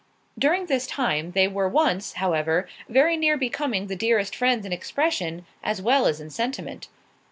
During this time they were once, however, very near becoming the dearest friends in expression, as well as in sentiment.